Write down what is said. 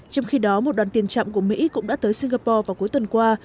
trong khi đó một đoàn tiền trạm của mỹ cũng đã tới singapore vào cuối tuần qua